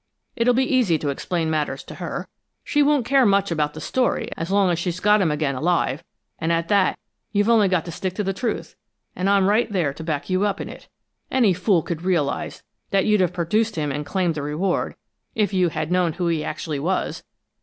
It'll be easy to explain matters to her; she won't care much about the story as long as she's got him again alive, and at that you've only got to stick to the truth, and I'm right there to back you up in it. Any fool could realize that you'd have produced him and claimed the reward, if you had known who he actually was.